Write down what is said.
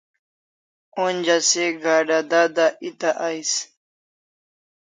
Onja se gada dada eta ais